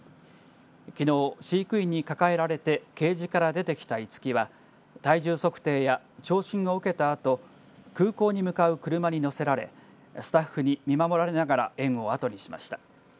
きのう飼育員に抱えられてケージから出てきたイツキは体重測定や、聴診を受けたあと空港に向かう車に乗せられスタッフに見守られながら園を後にしました。